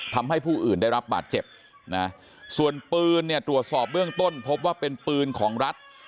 ทำให้ผู้อื่นได้รับบาดเจ็บนะส่วนปืนเนี่ยตรวจสอบเบื้องต้นพบว่าเป็นปืนของรัฐ